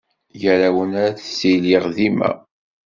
Gar-awen ara ttiliɣ dima.